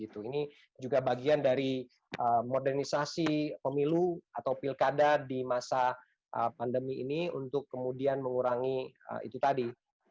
ini juga bagian dari modernisasi pemilu atau pilkada di masa pandemi ini untuk kemudian mengurangi itu tadi